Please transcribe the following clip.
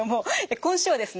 今週はですね